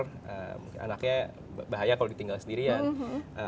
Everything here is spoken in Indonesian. mungkin anaknya bahaya kalau ditinggal sendirian